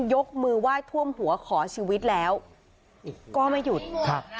ยกมือไหว้ท่วมหัวขอชีวิตแล้วก็ไม่หยุดครับ